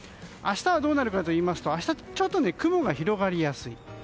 明日はどうなるかといいますと明日、ちょっと雲が広がりやすい。